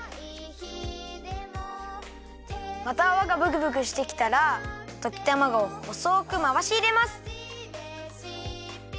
またあわがブクブクしてきたらときたまごをほそくまわしいれます。